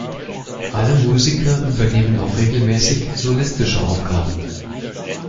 Alle Musiker übernehmen auch regelmäßig solistische Aufgaben.